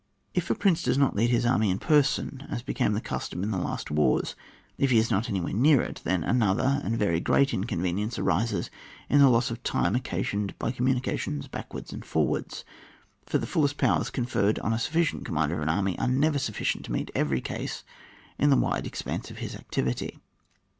If a prince does not lead his army in person, as became the custom in the last wars, if he is not anywhere near it, then another and very great inconvenience arises in the loss of time occasioned by communications backwards and for wards; for the fullest powers conferred on a commander of an army, are never sufficient to meet every case in the wide expanse of his activity.